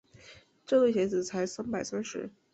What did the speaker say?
这对鞋子才三百三十。